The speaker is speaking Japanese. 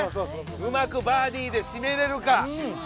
うまくバーディーでしめれるか。